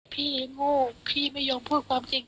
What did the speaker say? พี่โง่พี่ไม่ยอมพูดความจริง